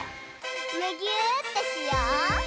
むぎゅーってしよう！